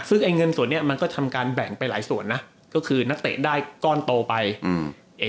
ซึ่งไอ้เงินส่วนเนี้ยมันก็ทำการแบ่งไปหลายส่วนนะก็คือนักเตะได้ก้อนโตไปอืม